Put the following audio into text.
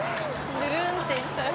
ぬるんっていった。